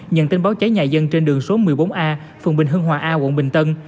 nhận tin báo cháy nhà dân trên đường số một mươi bốn a phường bình hưng hòa a quận bình tân